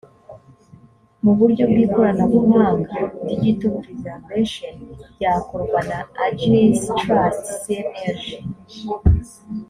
mu buryo bw ikoranabuhanga digital preservation byakorwa na aegis trust cnlg